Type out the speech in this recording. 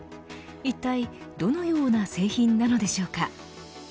一体どのような製品なのでしょうか。